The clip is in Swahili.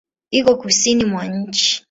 Iko Kusini mwa nchi.